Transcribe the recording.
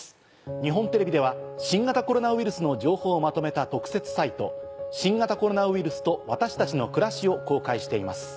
日本テレビでは新型コロナウイルスの情報をまとめた特設サイト。を公開しています。